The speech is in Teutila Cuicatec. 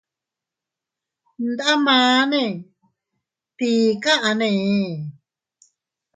Ndamane ¿tii kaʼane?